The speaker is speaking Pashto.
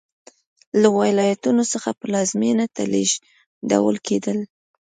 له ولایتونو څخه پلازمېنې ته لېږدول کېدل